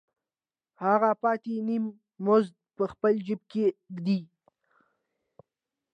هغه پاتې نیم مزد په خپل جېب کې ږدي